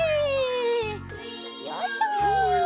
よいしょ。